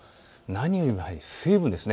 何よりも水分です。